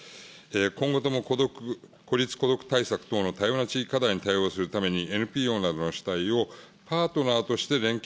今後とも孤立・孤独対策等の多様な地域課題に対応するために、ＮＰＯなどの主体を、パートナーとして連携